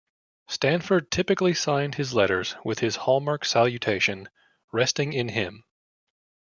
Stanford typically signed his letters with his hallmark salutation, Resting in Him.